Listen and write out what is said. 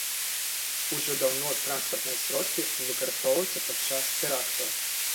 Ужо даўно транспартныя сродкі выкарыстоўваюцца падчас тэрактаў.